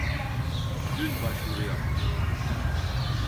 Dün başvuru yapmıştım